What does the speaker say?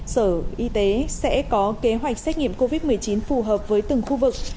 sở y tế sẽ có kế hoạch xét nghiệm covid một mươi chín phù hợp với từng khu vực